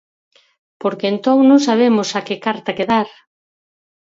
Porque entón non sabemos a que carta quedar.